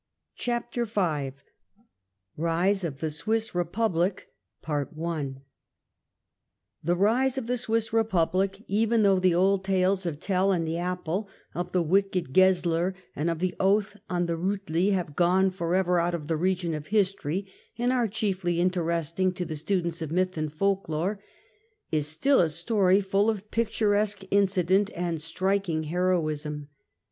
CHAPTER V RISE OF THE SWISS REPUBLIC THE rise of the Swiss Eepublic, even though the old tales of Tell and the apple, of the wicked Gesler, and of the oath on the Riitli have gone for ever out of the region of history and are chiefly interesting to the students of myth and folk lore, is still a story full of picturesque incident and striking heroism.